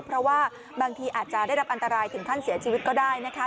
เพราะว่าบางทีอาจจะได้รับอันตรายถึงขั้นเสียชีวิตก็ได้นะคะ